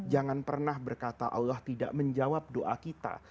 jangan pernah berkata allah tidak menjawab doa kita